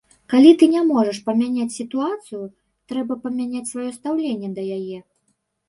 Калі ты не можаш памяняць сітуацыю, трэба памяняць сваё стаўленне да яе.